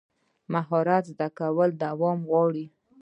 د مهارت زده کړه دوام غواړي.